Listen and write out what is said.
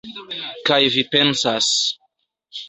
Kaj vi pensas